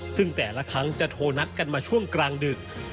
ซึ่งแต่ละครั้งจะโทรนัดกันมาช่วงกลางดึก